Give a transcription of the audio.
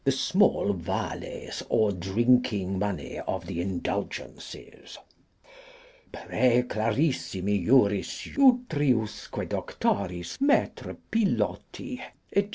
The Small Vales or Drinking Money of the Indulgences. Praeclarissimi juris utriusque Doctoris Maistre Pilloti, &c.